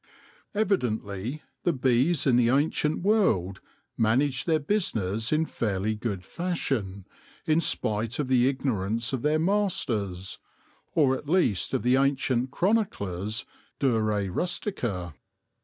Evidently the bees in the ancient world managed their business in fairly good fashion, in spite of the ignorance of their masters, or at least of the ancient chroniclers de re rustica.